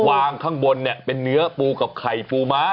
ข้างบนเนี่ยเป็นเนื้อปูกับไข่ปูม้า